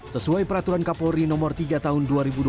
sesuai peraturan kapolri nomor tiga tahun dua ribu dua puluh